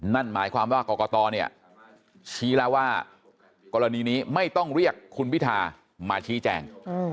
นั่นหมายความว่ากรกตเนี่ยชี้แล้วว่ากรณีนี้ไม่ต้องเรียกคุณพิธามาชี้แจง